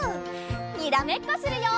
にらめっこするよ！